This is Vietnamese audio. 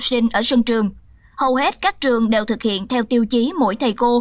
học sinh ở sân trường hầu hết các trường đều thực hiện theo tiêu chí mỗi thầy cô